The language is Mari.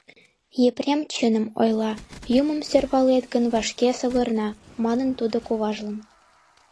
«Епрем чыным ойла, юмым сӧрвалет гын, вашке савырна», — манын тудо куважлан.